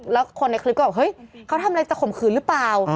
แล้วคนในคลิปก็บอกเฮ้ยเขาทำอะไรจะข่มขืนหรือเปล่า